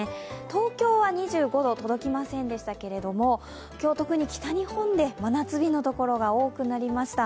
東京は２５度届きませんでしたが、今日、特に北日本で真夏日のところが多くなりました。